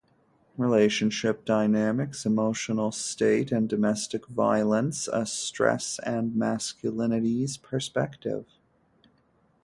Relationship dynamics, emotion state, and domestic violence: A stress and masculinities perspective.